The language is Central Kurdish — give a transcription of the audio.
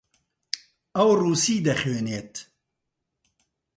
ئەو ڕووسی دەخوێنێت.